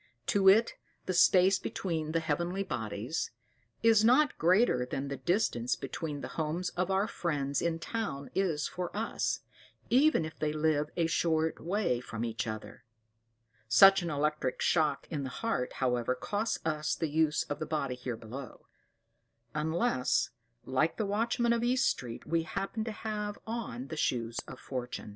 To it the space between the heavenly bodies is not greater than the distance between the homes of our friends in town is for us, even if they live a short way from each other; such an electric shock in the heart, however, costs us the use of the body here below; unless, like the watchman of East Street, we happen to have on the Shoes of Fortune.